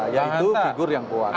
yang itu figur yang kuat